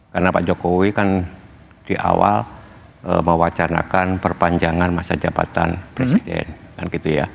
karena pak jokowi kan di awal mewacanakan perpanjangan masa jabatan presiden